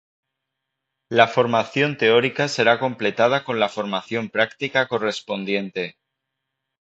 La formación teórica será completada con la formación práctica correspondiente.